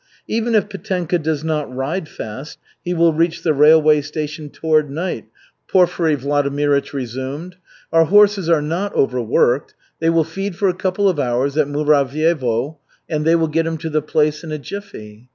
"Even if Petenka does not ride fast, he will reach the railway station toward night," Porfiry Vladimirych resumed. "Our horses are not overworked. They will feed for a couple of hours at Muravyevo, and they will get him to the place in a jiffy.